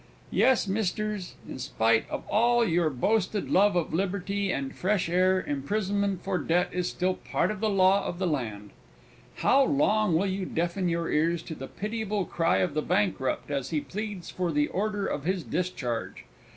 Yes, misters, in spite of all your boasted love of liberty and fresh air, imprisonment for debt is still part of the law of the land! How long will you deafen your ears to the pitiable cry of the bankrupt as he pleads for the order of his discharge?